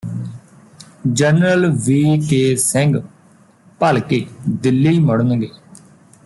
general V K Singh ਭਲਕੇ ਦਿੱਲੀ ਮੁੜਨਗੇ